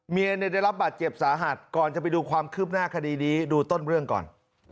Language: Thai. ได้รับบาดเจ็บสาหัสก่อนจะไปดูความคืบหน้าคดีนี้ดูต้นเรื่องก่อน